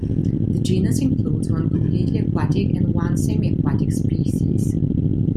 The genus includes one completely aquatic and one semiaquatic species.